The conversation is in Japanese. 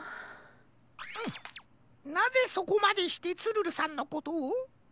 なぜそこまでしてツルルさんのことを？